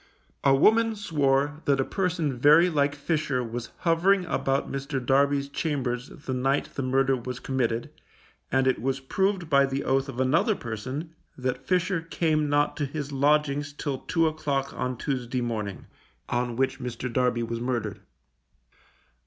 A woman swore that a person very like Fisher was hovering about Mr. Darby's chambers the night the murder was committed, and it was proved by the oath of another person that Fisher came not to his lodgings till two o'clock on Tuesday morning, on which Mr. Darby was murdered.